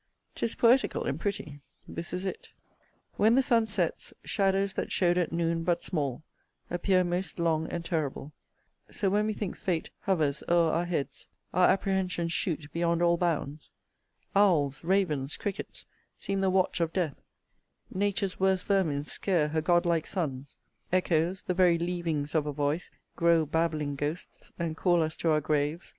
'Tis poetical and pretty. This is it: When the sun sets, shadows that show'd at noon But small, appear most long and terrible: So when we think fate hovers o'er our heads, Our apprehensions shoot beyond all bounds: Owls, ravens, crickets, seem the watch of death; Nature's worst vermin scare her godlike sons: Echoes, the very leavings of a voice, Grow babbling ghosts, and call us to our graves.